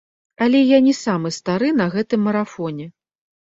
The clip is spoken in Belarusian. Але я не самы стары на гэтым марафоне.